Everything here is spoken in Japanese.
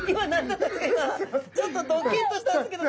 ちょっとドキッとしたんですけど。